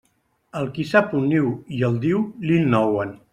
El qui sap un niu i el diu, li'l nouen.